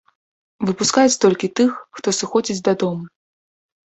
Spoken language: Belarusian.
Выпускаюць толькі тых, хто сыходзіць дадому.